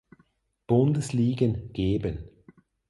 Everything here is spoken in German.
Bundesligen geben.